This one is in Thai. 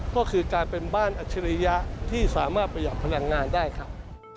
ก็คือการเป็นบ้านอัจฉริยะที่สามารถประหยัดพลังงานได้ครับ